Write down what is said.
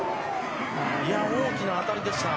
いや、大きな当たりでした。